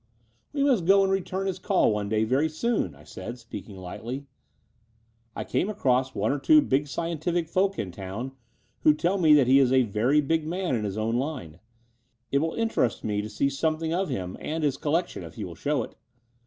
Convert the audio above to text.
"We must go and retiun his call caie day very soon," I said, speaking lightly. "I came across one or two big scientific folk in town, who tell me that he is a very big man in his own line. It will Interest me to see something of him and his collec tion, if he will show it."